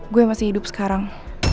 gue masih hidup sekarang